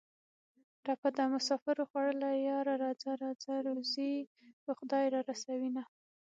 ټپه ده: مسافرو خوړلیه یاره راځه راځه روزي به خدای را رسوینه